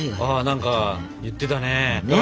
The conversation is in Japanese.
何か言ってたね。